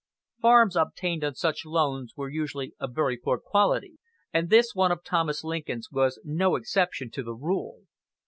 Farms obtained on such terms were usually of very poor quality, and this one of Thomas Lincoln's was no exception to the rule.